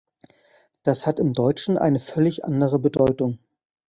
Das hat im Deutschen eine völlig andere Bedeutung.